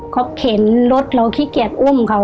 เขาเข็นรถเราขี้เกียจอุ้มเขา